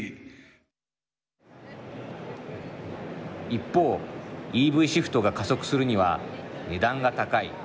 一方ＥＶシフトが加速するには値段が高い。